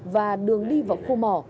và đường đi vào khu mò